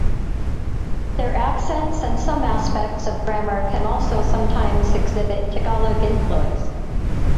Their accents and some aspects of grammar can also sometimes exhibit Tagalog influence.